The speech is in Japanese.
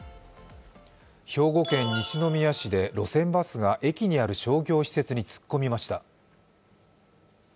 兵庫県西宮市で路線バスが駅にある商業施設に突っ込みました。